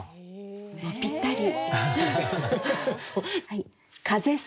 もう、ぴったり。